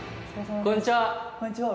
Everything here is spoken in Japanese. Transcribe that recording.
こんにちは！